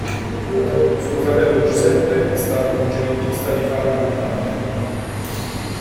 Suo fratello Giuseppe è stato un genetista di fama mondiale.